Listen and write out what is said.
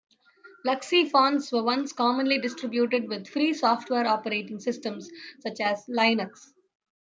Luxi fonts were once commonly distributed with free software operating systems, such as Linux.